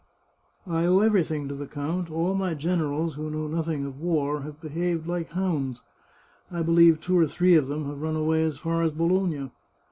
I owe everything to the count ; all my gen erals, who know nothing of war, have behaved like hounds. I believe two or three of them have run away as far as Bologna.